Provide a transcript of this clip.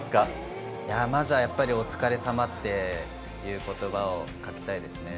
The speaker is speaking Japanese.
まずはお疲れさまっていう言葉をかけたいですね。